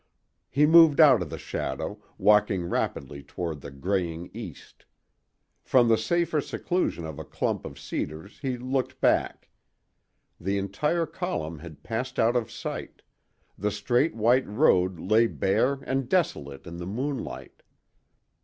He moved out of the shadow, walking rapidly toward the graying east. From the safer seclusion of a clump of cedars he looked back. The entire column had passed out of sight: the straight white road lay bare and desolate in the moonlight!